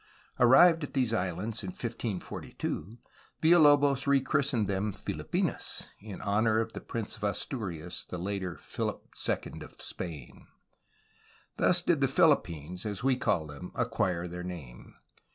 Arrived at these islands in 1542 Villalobos rechristened them "Filipinas/' in honor of the Prince of Asturias, the later Philip II of Spain. Thus did the Philippines, as we call them, acquire their name.